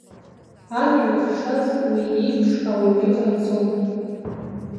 Ан илыхшаз уи иеиԥш ауаҩы иҟаиҵом.